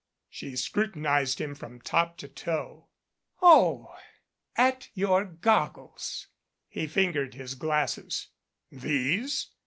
She scrutinized him from top to toe. "Oh, at your goggles." He fingered his glasses. "These?"